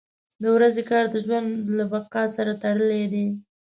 • د ورځې کار د ژوند له بقا سره تړلی دی.